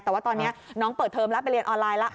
แต่ว่าตอนนี้น้องเปิดเทอมแล้วไปเรียนออนไลน์แล้ว